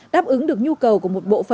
đáp ứng được nhu cầu của một bộ phận